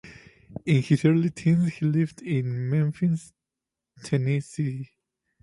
In his early teens, he lived in Memphis, Tennessee.